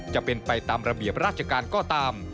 จะเป็นไปตามระเบียบราชการก็ตาม